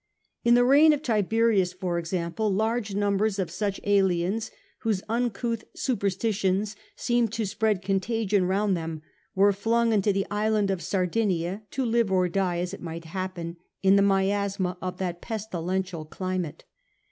In the reign of Tiberius, for example, large numbers of such aliens, whose uncouth superstitions seemed to spread contagion round them, were flung into the island of Sardinia, to live or die, as it might happen, in the miasma of that pestilential climate.